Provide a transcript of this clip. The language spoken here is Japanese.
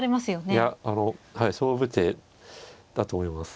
いやあのはい勝負手だと思います。